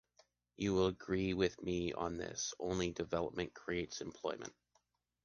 You will agree with me on this: only development creates employment.